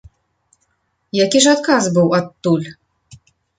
Які ж адказ быў адтуль?